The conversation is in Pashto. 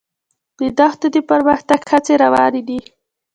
د دښتو د پرمختګ هڅې روانې دي.